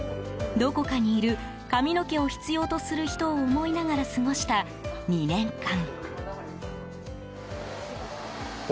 どこかにいる髪の毛を必要とする人を思いながら過ごした２年間。